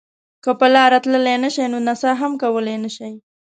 که په لاره تللی شئ نو نڅا هم کولای شئ.